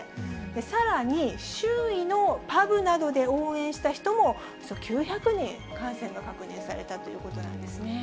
さらに、周囲のパブなどで応援した人も、およそ９００人感染が確認されたということなんですね。